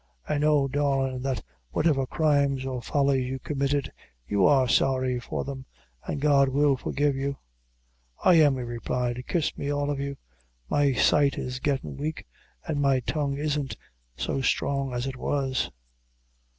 I know, darlin', that whatever crimes or follies you committed, you are sorry for them, an' God will forgive you." "I am," he replied; "kiss me all of you; my sight is gettin' wake, an' my tongue isn't isn't so strong as it was."